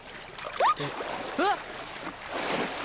えっ⁉えっ